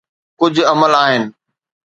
ڪجھ عمل آھن.